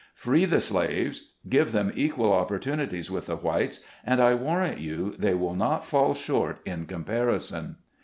Free the slaves, give them equal opportunities with the whites, and I warrant you, they will not fall short in comparison.